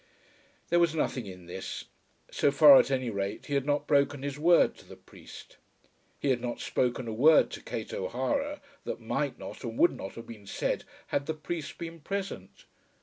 There was nothing in this. So far, at any rate, he had not broken his word to the priest. He had not spoken a word to Kate O'Hara that might not and would not have been said had the priest been present.